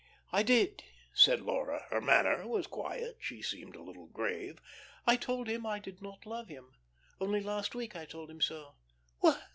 "I did," said Laura. Her manner was quiet. She seemed a little grave. "I told him I did not love him. Only last week I told him so."